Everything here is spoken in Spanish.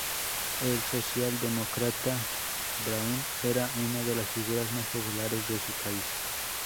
El socialdemócrata Braun era una de las figuras más populares de su país.